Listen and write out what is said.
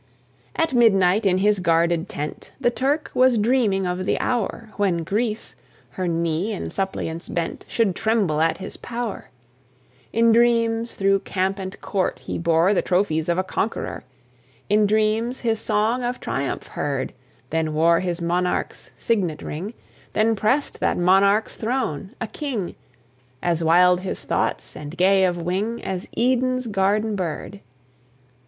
At midnight, in his guarded tent, The Turk was dreaming of the hour When Greece, her knee in suppliance bent, Should tremble at his power: In dreams, through camp and court, he bore The trophies of a conqueror; In dreams his song of triumph heard; Then wore his monarch's signet ring: Then pressed that monarch's throne a king; As wild his thoughts, and gay of wing, As Eden's garden bird.